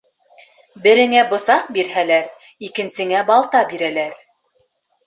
Береңә бысаҡ бирһәләр, икенсеңә балта бирәләр.